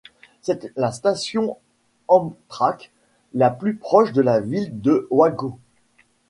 C'est la station Amtrak la plus proche de la ville de Waco.